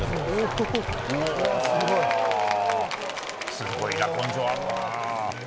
すごいな、根性あるな。